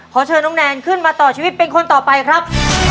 ขอเชิญน้องแนนขึ้นมาต่อชีวิตเป็นคนต่อไปครับ